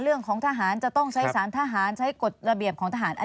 เรื่องของทหารจะต้องใช้สารทหารใช้กฎระเบียบของทหาร